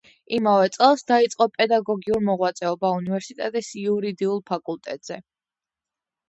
იმავე წელს დაიწყო პედაგოგიურ მოღვაწეობა უნივერსიტეტის იურიდიულ ფაკულტეტზე.